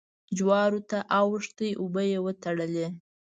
جوارو ته اوښتې اوبه يې وتړلې.